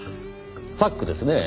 サックですねぇ